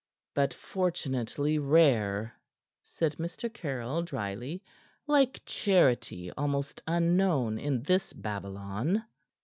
"But fortunately rare," said Mr. Caryll dryly. "Like charity, almost unknown in this Babylon."